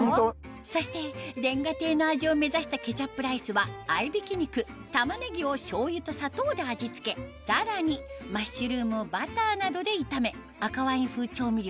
そして瓦亭の味を目指したケチャップライスは合いびき肉玉ねぎをしょうゆと砂糖で味付けさらにマッシュルームをバターなどで炒め赤ワイン風調味料